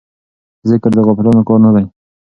ذکر د غافلانو کار نه دی.